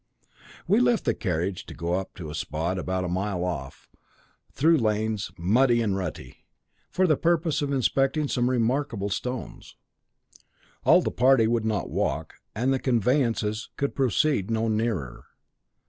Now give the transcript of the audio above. "We left the carriage to go to a spot about a mile off, through lanes, muddy and rutty, for the purpose of inspecting some remarkable stones. All the party would not walk, and the conveyances could proceed no nearer.